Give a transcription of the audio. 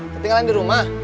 ketinggalan di rumah